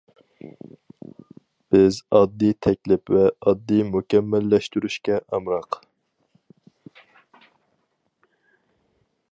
بىز ئاددىي تەكلىپ ۋە ئاددىي مۇكەممەللەشتۈرۈشكە ئامراق.